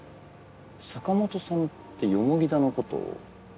坂本さんって田のこと。